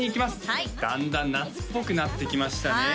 はいだんだん夏っぽくなってきましたね